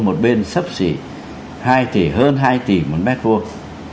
một bên sắp xỉ hai tỷ hơn hai tỷ một mét vuông